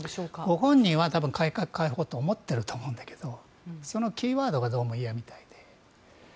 ご本人は多分改革開放と思っていると思うんだけどそのキーワードがどうも嫌みたいで。